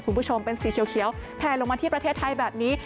คุณผู้ชมเป็นสีเขียวแพลลงมาที่ประเทศไทยแบบนี้